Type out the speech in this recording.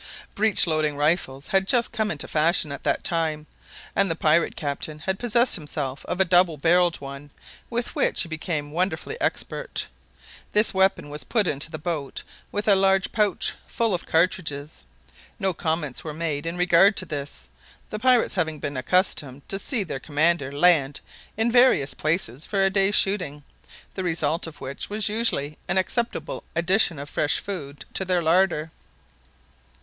Breech loading rifles had just come into fashion at that time, and the pirate captain had possessed himself of a double barrelled one, with which he became wonderfully expert. This weapon was put into the boat with a large pouch full of cartridges. No comments were made in regard to this, the pirates having been accustomed to see their commander land in various places for a day's shooting, the result of which was usually an acceptable addition of fresh food to their larder.